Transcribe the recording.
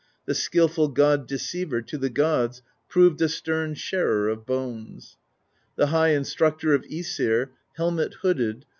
The skilful god deceiver To the gods proved a stern sharer Of bones: the high Instructor Of ^sir, helmet hooded.